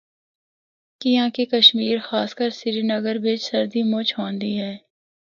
کیانکہ کشمیر خاص کر سرینگر بچ سردی مُچ ہوندی اے۔